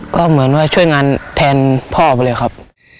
ก็เหมือนว่าช่วยงานแทนพ่อไปเลยครับ